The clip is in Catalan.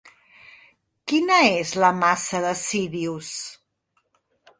Quina és la massa de Sírius?